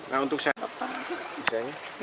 nah untuk saya